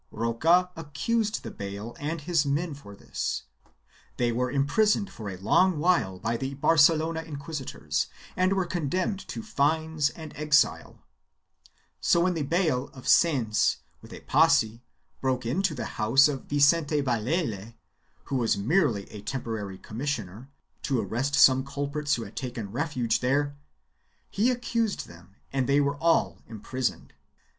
6 MSS. of Bodleian Library, Arch. S, 130. CHAP. Ill] EIGHT OF ASYLUM 423 arrest them; Roca accused the bayle and his men for this; they were imprisoned for a long while by the Barcelona inquisitors and were condemned to fines and exile. So when the bayle of Sens, with a posse, broke into the house of Vicente Valele, who was merely a temporary commissioner, to arrest some culprits who had taken refuge there, he accused them and they were all imprisoned.